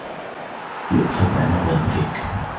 يُؤْفَكُ عَنْهُ مَنْ أُفِكَ